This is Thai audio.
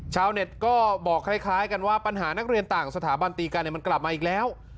ชาวเน็ตก็บอกคล้ายกันว่าปัญหานักเรียนต่างสถาบันตีกันมันกลับมาอีกแล้ว